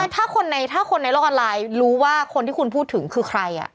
ถ้าคนในโลกออนไลน์รู้ว่าคนที่คุณพูดถึงคือใคร